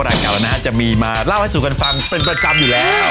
เรานะฮะจะมีมาเล่าให้สู่กันฟังเป็นประจำอยู่แล้ว